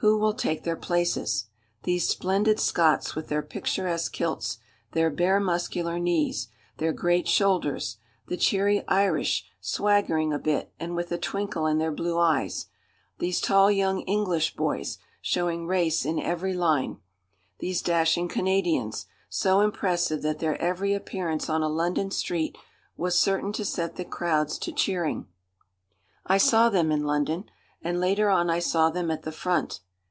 Who will take their places? these splendid Scots with their picturesque kilts, their bare, muscular knees, their great shoulders; the cheery Irish, swaggering a bit and with a twinkle in their blue eyes; these tall young English boys, showing race in every line; these dashing Canadians, so impressive that their every appearance on a London street was certain to set the crowds to cheering. I saw them in London, and later on I saw them at the front.